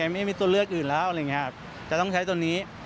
ไม่มีตัวเลือกอื่นแล้วจะต้องใช้ตัวนี้